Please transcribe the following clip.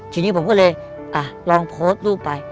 ทีนี้ผมก็เลยลองโพสต์รูปไป